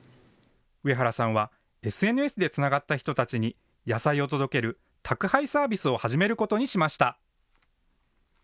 上原さんは、ＳＮＳでつながった人たちに野菜を届ける宅配サービスを始めることにしました。